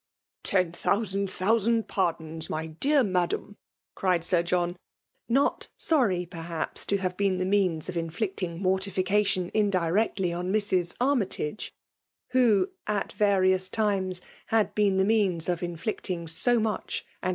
" Ten thousand thousand pardons, my deat n^adam,'! cried Sir John, not sorry, perhAps, ib have tiepn .the rooana of inflicting mortificalioil indirectly pn Mrs. Army tage, who, at vuxui^B times^ had been the means of inflicting ^so much and